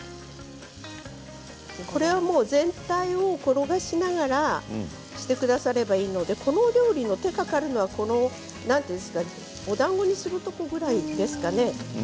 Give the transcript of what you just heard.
これはもう全体を転がしながらしてくださればいいのでこのお料理の手がかかるのは何て言うんですかおだんごにするところぐらいですかね。